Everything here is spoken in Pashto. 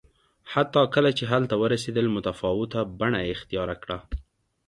حتی کله چې هلته ورسېدل متفاوته بڼه یې اختیار کړه